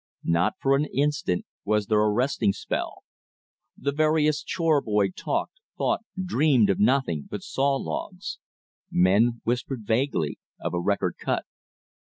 Not for an instant was there a resting spell. The veriest chore boy talked, thought, dreamed of nothing but saw logs. Men whispered vaguely of a record cut.